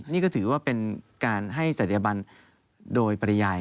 นี่ก็ถือว่าเป็นการให้ศัตยบันโดยปริยาย